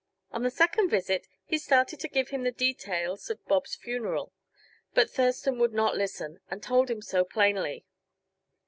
On the second visit he started to give him the details of Bob's funeral; but Thurston would not listen, and told him so plainly.